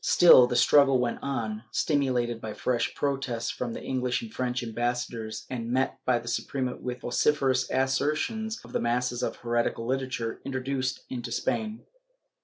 Still the struggle went on, stimulated by fresh protests from the EngHsh and French ambassadors and met by the Suprema with vociferous assertions of the masses of heretical literature introduced into Spain.